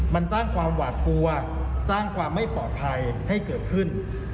มันสร้างความหวาดกลัวสร้างความไม่ปลอดภัยให้เกิดขึ้น